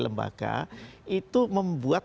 lembaga itu membuat